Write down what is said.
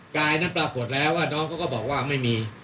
กายนั้นปรากฏแล้วว่าน้องเขาก็บอกว่าไม่มี